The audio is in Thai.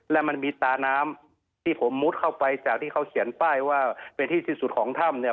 และมันมีตาน้ำที่ผมมุดเข้าไปจากที่เขาเขียนป้ายว่าเป็นที่ที่สุดของถ้ำเนี่ย